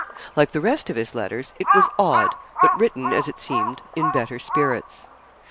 Like the rest of his letters it was odd, but written, as it seemed, in better spirits.